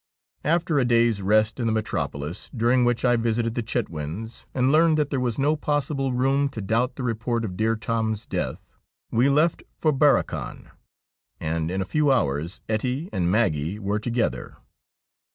After a day's rest in the Metropolis, during which I visited the Chetwynds, and learned that there was no possible room to doubt the report of dear Tom's death, we left for Barrochan, and in a few hours Ettie and Maggie were together.